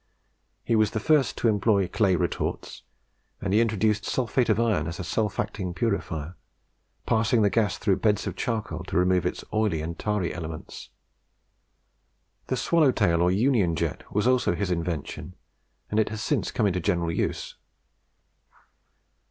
He was the first to employ clay retorts; and he introduced sulphate of iron as a self acting purifier, passing the gas through beds of charcoal to remove its oily and tarry elements. The swallow tail or union jet was also his invention, and it has since come into general use.